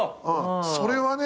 それはね